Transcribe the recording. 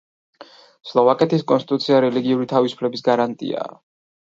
სლოვაკეთის კონსტიტუცია რელიგიური თავისუფლების გარანტია.